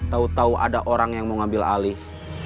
tau tau ada orang yang mau ngambil alih